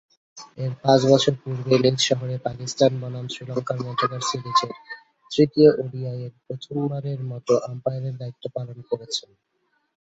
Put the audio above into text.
এর পাঁচ বছর পূর্বে নিজ শহরে পাকিস্তান বনাম শ্রীলঙ্কার মধ্যকার সিরিজের তৃতীয় ওডিআইয়ে প্রথমবারের মতো আম্পায়ারের দায়িত্ব পালন করেছেন।